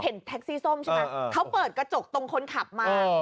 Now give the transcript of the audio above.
แท็กซี่ส้มใช่ไหมเขาเปิดกระจกตรงคนขับมา